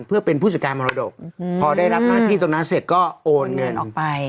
เพื่อเป็นผู้จัดการมรดกพอได้รับหน้าที่ตรงนั้นเสร็จก็โอนเงินออกไป